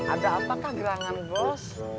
ada apakah gerangan bos